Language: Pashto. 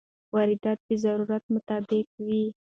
واردات د ضرورت مطابق وي.